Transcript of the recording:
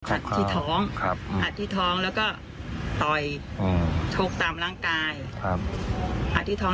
ที่ท้องอัดที่ท้องแล้วก็ต่อยชกตามร่างกายอัดที่ท้อง